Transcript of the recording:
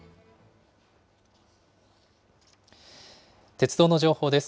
鉄道の情報です。